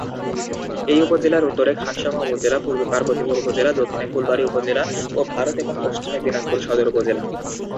এই উপজেলার উত্তরে খানসামা উপজেলা, পূর্বে পার্বতীপুর উপজেলা, দক্ষিণে ফুলবাড়ী উপজেলা ও ভারত এবং পশ্চিমে দিনাজপুর সদর উপজেলা।